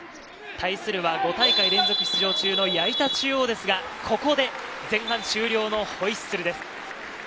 対するは５大会連続出場中の矢板中央ですが、ここで前半終了のホイッスルです。